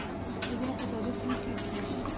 لوبیا په تودو سیمو کې کیږي.